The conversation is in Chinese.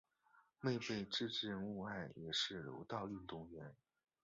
妹妹志志目爱也是柔道运动员。